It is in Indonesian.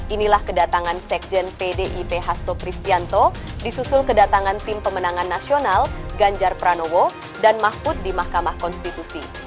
inilah kedatangan sekjen pdip hasto kristianto disusul kedatangan tim pemenangan nasional ganjar pranowo dan mahfud di mahkamah konstitusi